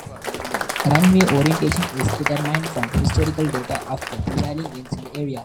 Runway orientation is determined from historical data of the prevailing winds in the area.